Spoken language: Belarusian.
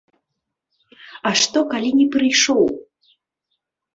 А што, калі не прыйшоў?